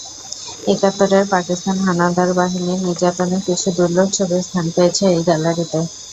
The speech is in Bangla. একাত্তরের পাকিস্তান হানাদার বাহিনীর নির্যাতনের কিছু দুর্লভ ছবি স্থান পেয়েছে এই গ্যালারিতে।